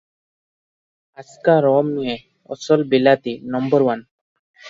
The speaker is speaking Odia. ଆସ୍କା ରମ୍ ନୁହେଁ, ଅସଲ ବିଲାତୀ, ନମ୍ବର ଉଆନ୍!